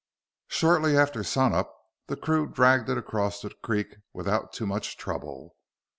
Shortly after sun up, the crew dragged it across the creek without too much trouble.